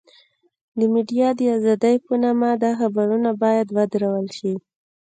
د ميډيا د ازادۍ په نامه دا خبرونه بايد ودرول شي.